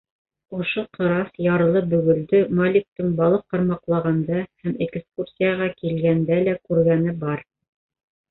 Ошо ҡырас ярлы бөгөлдө Маликтың балыҡ ҡармаҡлағанда һәм экскурсияға килгәндә лә күргәне бар.